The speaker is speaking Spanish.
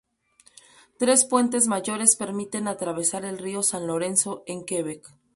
Tres puentes mayores permiten atravesar el río San Lorenzo en Quebec.